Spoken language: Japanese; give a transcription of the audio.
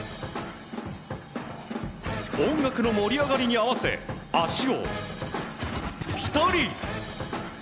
音楽の盛り上がりに合わせ足をぴたり！